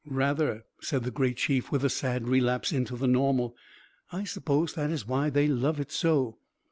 "Rather!" said the great Chief, with a sad relapse into the normal. "I suppose that is why they love it so.